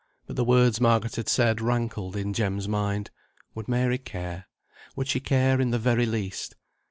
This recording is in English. But the words Margaret had said rankled in Jem's mind. Would Mary care? Would she care in the very least?